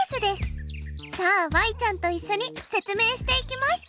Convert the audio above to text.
さあちゃんといっしょに説明していきます。